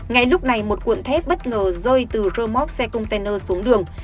ngay lúc này một cuộn thép bất ngờ rơi từ rơ móc xe container xuống đường